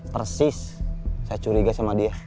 persis saya curiga sama dia